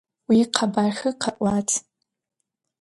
Уикъэбархэ къэӏуат!